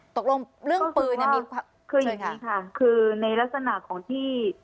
ตกลงเรื่องปืนเนี่ยมีคืออย่างนี้ค่ะคือในลักษณะของที่